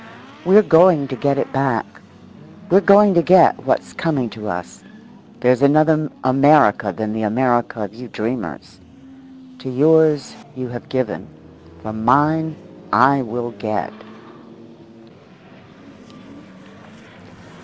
We're going to get it back. We're going to get what's coming to us. There's another America than the America of you dreamers. To yours you have given; from mine I will get.